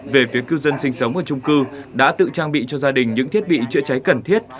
về phía cư dân sinh sống ở trung cư đã tự trang bị cho gia đình những thiết bị chữa cháy cần thiết